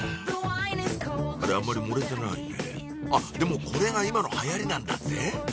あれあんまり盛れてないねあっでもこれが今のはやりなんだ